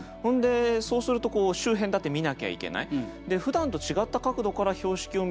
そうすると周辺だって見なきゃいけない。